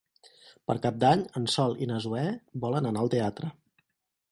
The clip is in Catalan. Per Cap d'Any en Sol i na Zoè volen anar al teatre.